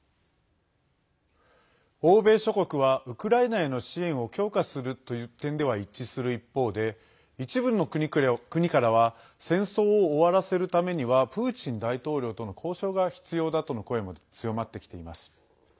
欧米諸国はウクライナへの支援を強化するという点では一致する一方で一部の国からは戦争を終わらせるためにはプーチン大統領との交渉が必要だとの声も強まってきています。